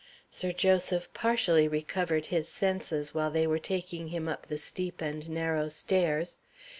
Sir Joseph partially recovered his senses while they were taking him up the steep and narrow stairs.